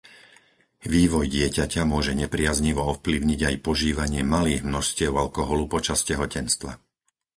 Vývoj dieťaťa môže nepriaznivo ovplyvniť aj požívanie malých množstiev alkoholu počas tehotenstva.